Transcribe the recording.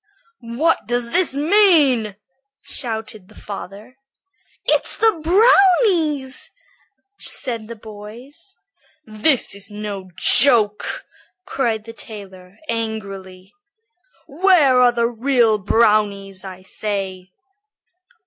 "What does this mean?" shouted the father. "It's the brownies," said the boys. "This is no joke," cried the tailor, angrily. "Where are the real brownies, I say?"